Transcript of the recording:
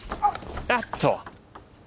あっと。